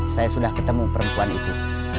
saya sudah ketemu perempuan itu